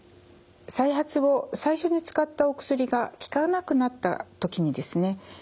再発を最初に使ったお薬が効かなくなった時にですね